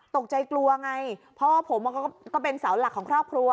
ตกใจกลัวไงเพราะว่าผมก็เป็นเสาหลักของครอบครัว